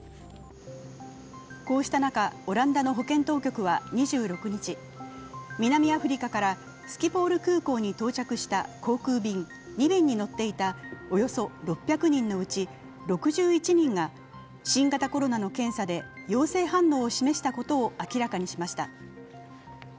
こうした中、オランダの保健当局は２６日、南アフリカからスキポール空港に到着した航空便２便に乗っていたおよそ６００人のうち６１人が新型コロナの検査で陽性反応を示したことを明らかにしました。